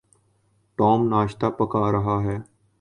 Tom ناشتہ پکھا رہا ہے۔